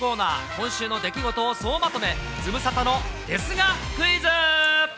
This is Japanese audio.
今週の出来事を総まとめ、ズムサタのですがクイズ。